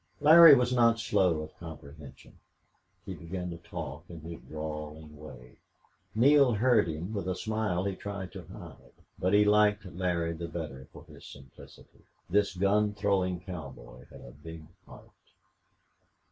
Larry was not slow of comprehension. He began to talk in his drawling way. Neale heard him with a smile he tried to hide, but he liked Larry the better for his simplicity. This gun throwing cowboy had a big heart.